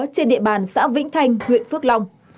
trên địa bàn xã vĩnh thành huyện phước long